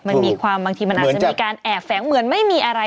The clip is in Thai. มันมีความบางทีมันอาจจะมีการแอบแฝงเหมือนไม่มีอะไร